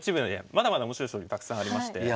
まだまだ面白い将棋たくさんありまして。